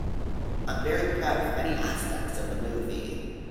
I'm very proud of many aspects of the movie.